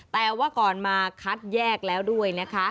แต่ว่าก่อนมาคัดแยกแล้วด้วยนะคะ